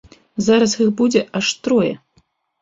Зараз іх будзе аж трое.